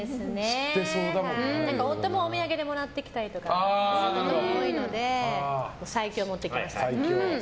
夫もお土産でもらってきたりすることも多いので最強を持ってきました。